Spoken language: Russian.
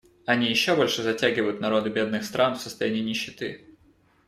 Они еще больше затягивают народы бедных стран в состояние нищеты.